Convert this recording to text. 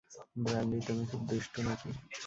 Brandy, তুমি খুব দুষ্টু নাকি?